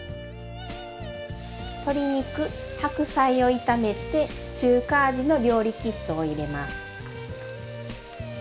鶏肉白菜を炒めて中華味の料理キットを入れます。